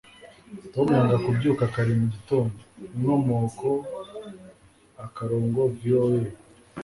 tom yanga kubyuka kare mu gitondo. (inkomoko_voa